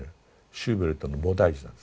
シューベルトの「菩提樹」なんです。